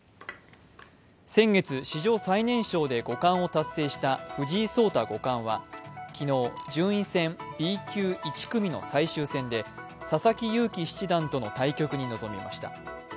先月、史上最年少で五冠を達成した藤井聡太五冠は昨日、順位戦Ｂ級１組の最終戦で佐々木勇気七段との対局に臨みました。